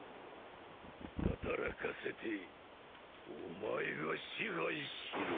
働かせてお前が支配しろ。